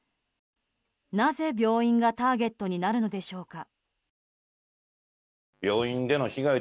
なぜ病院がターゲットになるのでしょうか。